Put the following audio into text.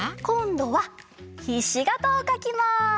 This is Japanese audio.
こんどはひしがたをかきます。